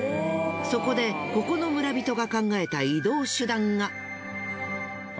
そこでここの村人が考えた移動手段が。